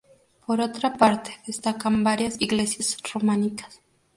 Por otra parte, destacan varias iglesias románicas.